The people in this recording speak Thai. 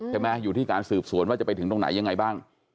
อยู่ที่การสืบสวนว่าจะไปถึงตรงไหนยังไงบ้าง